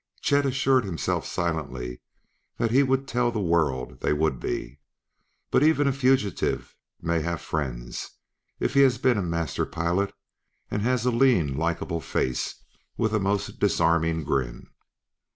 Chet assured himself silently that he would tell the world they would be. But even a fugitive may have friends if he has been a master pilot and has a lean, likable face with a most disarming grin.